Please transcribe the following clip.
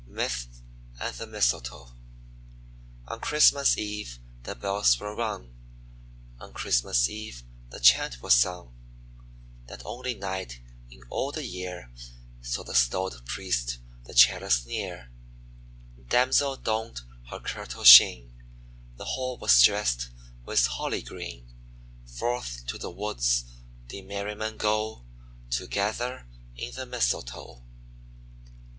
MYTHS AND THE MISTLETOE. On Christmas Eve the bells were rung; On Christmas Eve the chant was sung; That only night in all the year Saw the stoled priest the chalice near; The damsel donned her kirtle sheen; The hall was dressed with Holly green; Forth to the woods did merry men go To gather in the Mistletoe.